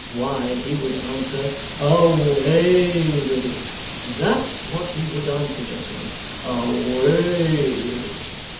Why, he would answer, "Away with it!" That's what he would answer, gentlemen. "Away with it!"